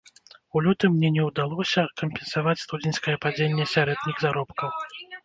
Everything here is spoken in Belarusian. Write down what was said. У лютым не не ўдалося кампенсаваць студзеньскае падзенне сярэдніх заробкаў.